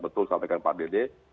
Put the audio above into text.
betul sampaikan pak dede